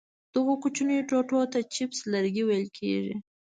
دغو کوچنیو ټوټو ته چپس لرګي ویل کېږي.